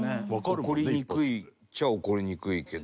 起こりにくいっちゃ起こりにくいけど。